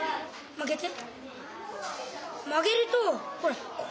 曲げて。